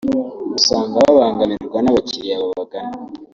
usanga babangamirwa n’abakiriya babagana